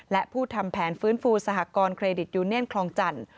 และผู้ทำแผนฟื้นฟูสหกรณเครดิตยูเนียนคลองจันทร์